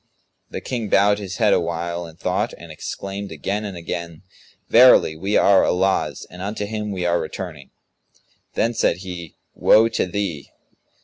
The King bowed his head awhile in thought and exclaimed again and again, "Verily, we are Allah's and unto Him we are returning!" Then said he "Woe to thee!